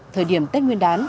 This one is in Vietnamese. thời điểm tết nguyên đán